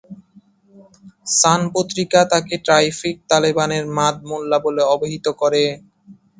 সান পত্রিকা তাকে "ট্রাফিক তালেবানের মাদ মোল্লা" বলে অভিহিত করে।